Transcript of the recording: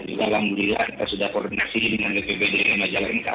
dan juga alhamdulillah kita sudah koordinasi dengan bpdm majalengka